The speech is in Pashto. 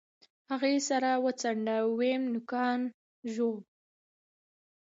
هغې سر وڅنډه ويم نوکان ژوو.